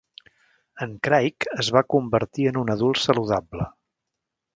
En Craig es va convertir en un adult saludable.